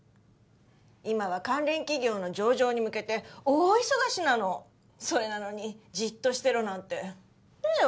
今は関連企業の上場に向けて大忙しなのそれなのにジッとしてろなんてねえ